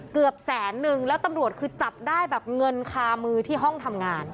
เกือบแสนนึงแล้วตำรวจคือจับได้แบบเงินคามือที่ห้องทำงาน